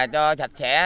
cho sạch sẽ